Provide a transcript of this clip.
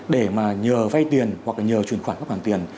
để mà nhờ vay tiền hoặc là nhờ truyền khoản các khoản tiền